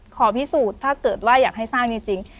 ขอพิสูจน์ถ้าเกิดว่าอยากให้สร้างจริง